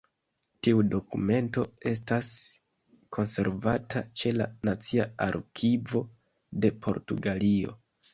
Tiu dokumento estas konservata ĉe la Nacia Arkivo de Portugalio.